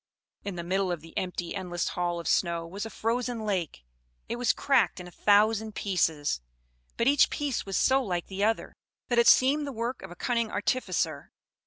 In the middle of the empty, endless hall of snow, was a frozen lake; it was cracked in a thousand pieces, but each piece was so like the other, that it seemed the work of a cunning artificer.